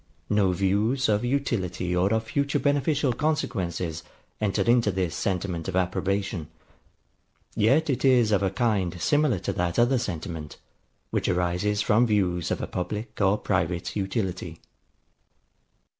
No views of utility or of future beneficial consequences enter into this sentiment of approbation; yet is it of a kind similar to that other sentiment, which arises from views of a public or private utility.